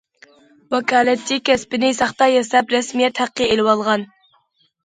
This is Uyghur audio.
ۋاكالەتچى كەسپىنى ساختا ياساپ رەسمىيەت ھەققى ئېلىۋالغان.